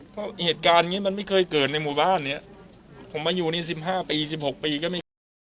เพราะเหตุการณ์อย่างนี้มันไม่เคยเกิดในหมู่บ้านเนี้ยผมมาอยู่ในสิบห้าปีสิบหกปีก็ไม่